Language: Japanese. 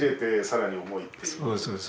そうです